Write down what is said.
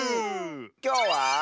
きょうは。